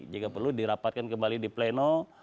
jika perlu dirapatkan kembali di pleno